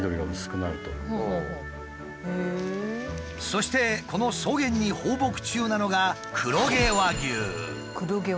そしてこの草原に放牧中なのが黒毛和牛。